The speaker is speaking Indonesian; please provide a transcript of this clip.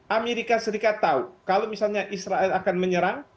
amerika serikat tahu kalau misalnya israel akan menyerang